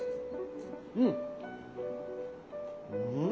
うん。